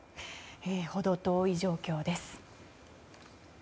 ほど遠い状況です。